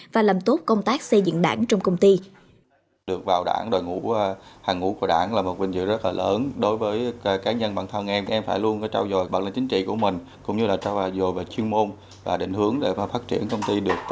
và làm tốt công tác xây dựng đảng trong công ty